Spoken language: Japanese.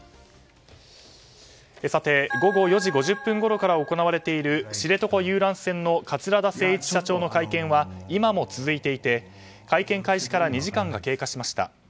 さて、午後４時５０分ごろから行われている知床遊覧船の桂田精一社長の会見は今も続いていて会見開始から２時間が経過しました。